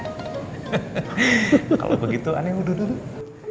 kalau begitu anda undur dulu